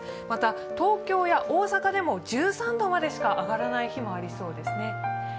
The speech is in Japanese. また東京や大阪でも１３度までしか上がらない日もありそうです。